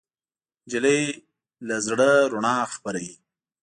نجلۍ له زړه رڼا خپروي.